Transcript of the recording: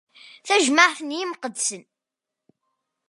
Tajmaɛt n yimqeddsen.